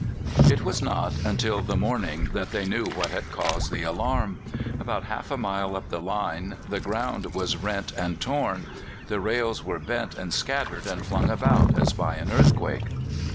It was not until the morning that they knew what had caused the alarm. About half a mile up the line the ground was rent and torn; the rails were bent and scattered and flung about as by an earthquake.